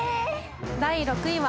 第６位は。